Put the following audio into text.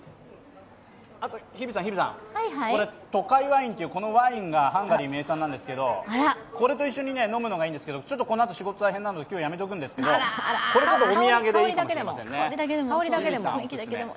日比さん、これトカイワインというワインがハンガリー名産なんですけどこれと一緒に飲むのがいいんですがこのあと仕事が大変なので今日やめておくんですけど、これ、お土産でいいかもしれませんね。